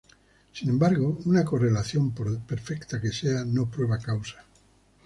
Sin embargo, una correlación, por perfecta que sea, no prueba causa.